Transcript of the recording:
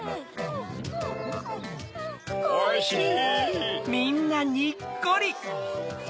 おいしい！